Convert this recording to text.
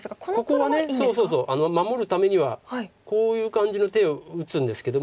ここは守るためにはこういう感じの手を打つんですけども。